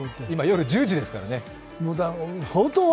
今、夜１０時ですからね。